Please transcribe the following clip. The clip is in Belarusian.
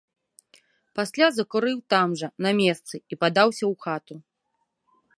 Пасля закурыў там жа, на месцы, і падаўся ў хату.